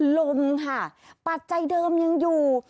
ลมค่ะปัจจัยเดิมยังอยู่